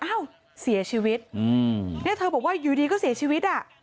อ้าวเสียชีวิตอืมเนี่ยเธอบอกว่าอยู่ดีก็เสียชีวิตอ่ะ